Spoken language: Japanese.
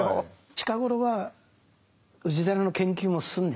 近頃は氏真の研究も進んでね